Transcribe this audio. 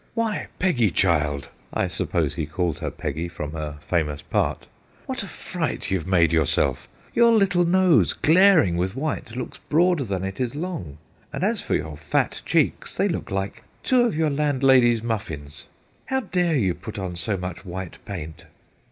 ' Why, Peggy child,' I suppose he called her Peggy from her famous part * what a fright you have made yourself ! Your little nose, glaring with white, looks broader than it is long, and as for your fat cheeks, they look like two of your landlady's muffins. How dare you put on so much white paint